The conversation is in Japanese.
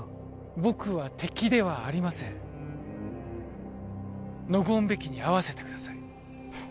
僕は敵ではありませんノゴーン・ベキに会わせてください